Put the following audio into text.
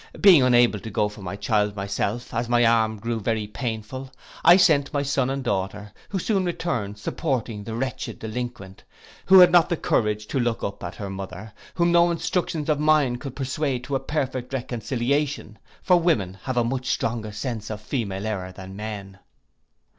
Being unable to go for my poor child myself, as my arm grew very painful, I sent my son and daughter, who soon returned, supporting the wretched delinquent, who had not the courage to look up at her mother, whom no instructions of mine could persuade to a perfect reconciliation; for women have a much stronger sense of female error than men.